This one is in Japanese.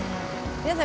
皆さん